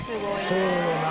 そうよな。